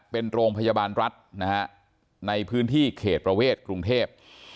เป็นโรงพยาบาลรัฐนะฮะในพื้นที่เขตประเวทกรุงเทพ